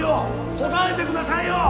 答えてくださいよ！